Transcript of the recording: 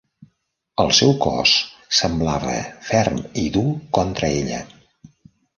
El seu cos semblava ferm i dur contra ella.